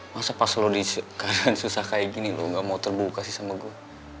masa pas lo dikarenakan susah kayak gini lo gak mau terbuka sih sama gue